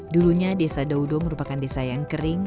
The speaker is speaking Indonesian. dulunya desa doudo merupakan desa yang kering